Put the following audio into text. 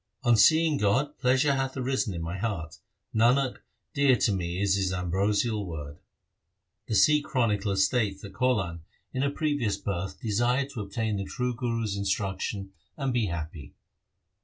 On seeing God pleasure hath arisen in my heart ; Nanak, dear to me is His ambrosial word. 1 The Sikh chronicler states that Kaulan in a 1 Kedara. 48 THE SIKH RELIGION previous birth desired to obtain the true Guru's instruction and be happy.